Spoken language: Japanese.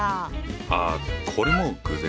ああこれも偶然。